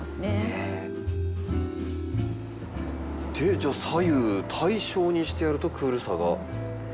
じゃあ左右対称にしてやるとクールさが際立つ？